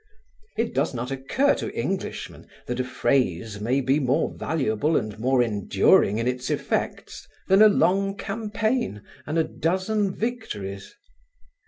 It does not occur to Englishmen that a phrase may be more valuable and more enduring in its effects than a long campaign and a dozen victories.